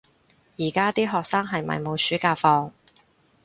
而家啲學生係咪冇暑假放